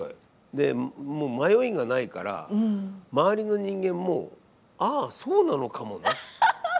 でもう迷いがないから周りの人間もああそうなのかもねって思っちゃう。